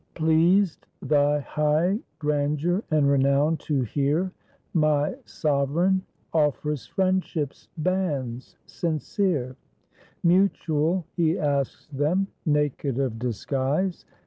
"Pleased thy high grandeur and renown to hear, My sovereign offers friendship's bands sincere: Mutual he asks them, naked of disguise.